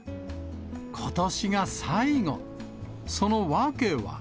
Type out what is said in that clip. ことしが最後、その訳は。